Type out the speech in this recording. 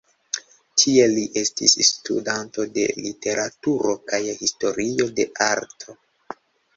Tie li estis studanto de literaturo kaj historio de arto.